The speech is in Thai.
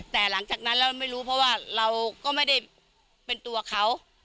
แต่หลังจากนั้นเราไม่รู้เพราะว่าเราก็ไม่ได้เป็นตัวเขา